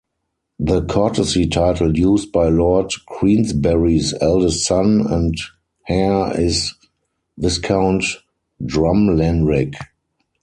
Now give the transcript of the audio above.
The courtesy title used by Lord Queensberry's eldest son and heir is "Viscount Drumlanrig".